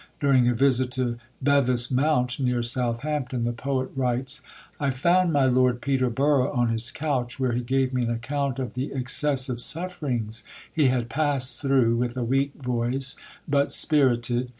During a visit to Bevis Mount, near Southampton, the poet writes: "I found my Lord Peterborough on his couch, where he gave me an account of the excessive sufferings he had passed through, with a weak voice, but spirited.